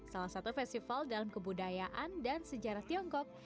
salah satu festival dalam kebudayaan dan sejarah tiongkok